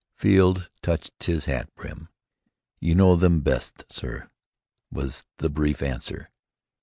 Field touched his hat brim. "You know them best, sir," was the brief answer.